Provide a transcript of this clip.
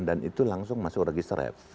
dan itu langsung masuk register f